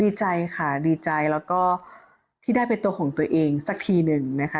ดีใจค่ะดีใจแล้วก็ที่ได้เป็นตัวของตัวเองสักทีหนึ่งนะคะ